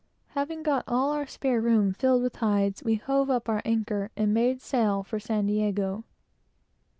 Having got all our spare room filled with hides, we hove up our anchor and made sail for San Diego.